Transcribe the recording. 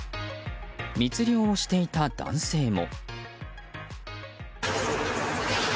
密漁をしていた男性も。